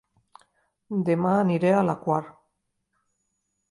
Dema aniré a La Quar